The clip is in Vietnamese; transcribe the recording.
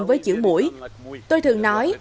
với chữ mũi tôi thường nói